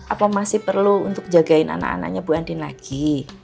apa masih perlu untuk jagain anak anaknya bu andin lagi